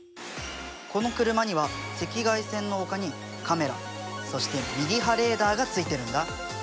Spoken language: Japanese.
この車には赤外線のほかにカメラそしてミリ波レーダーがついてるんだ。